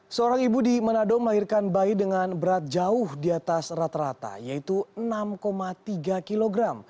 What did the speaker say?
seorang ibu di manado melahirkan bayi dengan berat jauh di atas rata rata yaitu enam tiga kg